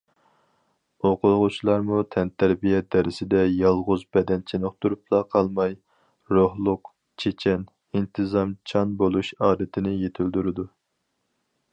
ئوقۇغۇچىلارمۇ تەنتەربىيە دەرسىدە يالغۇز بەدەن چېنىقتۇرۇپلا قالماي، روھلۇق، چېچەن، ئىنتىزامچان بولۇش ئادىتىنى يېتىلدۈرىدۇ.